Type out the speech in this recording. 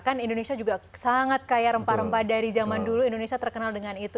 kan indonesia juga sangat kaya rempah rempah dari zaman dulu indonesia terkenal dengan itu